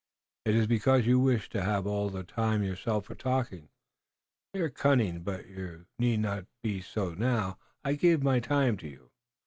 It is because you wish to have all the time yourself for talking. You are cunning, but you need not be so now. I give my time to you."